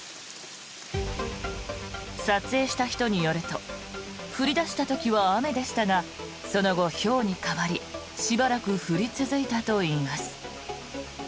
撮影した人によると降り出した時は雨でしたがその後、ひょうに変わりしばらく降り続いたといいます。